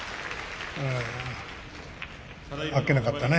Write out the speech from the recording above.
あっけなかったね。